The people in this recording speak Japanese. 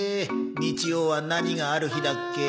日曜は何がある日だっけ？